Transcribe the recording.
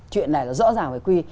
chuyện này là rõ ràng phải quy